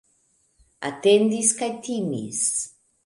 Atendis kaj timis.